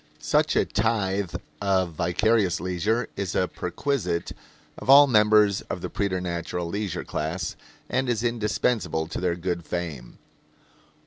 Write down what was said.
Such a tithe of vicarious leisure is a perquisite of all members of the preternatural leisure class and is indispensable to their good fame.